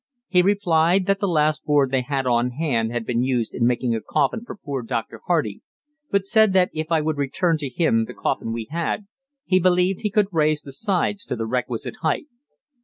He replied that the last board they had on hand had been used in making a coffin for poor Dr. Hardy, but said that if I would return to him the coffin we had, he believed he could raise the sides to the requisite height.